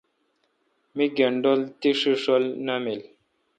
می گینڈل تی ݭݭ دی نامین۔